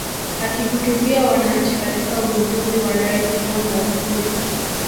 Akihutubia wananchi katika uzinduzi wa Rais John Magufuli